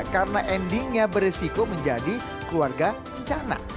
karena endingnya beresiko menjadi keluarga rencana